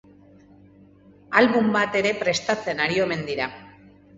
Album bat ere prestatzen ari omen dira.